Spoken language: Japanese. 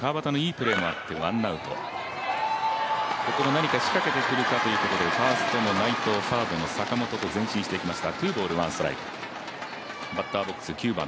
ここで何か仕掛けてくるかというところで、ファーストの内藤サードの坂本と前進してきました